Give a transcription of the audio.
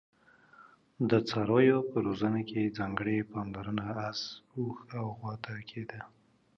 د څارویو په روزنه کې ځانګړي پاملرنه اس، اوښ او غوا ته کېده.